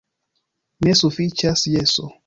Ne sufiĉas jeso.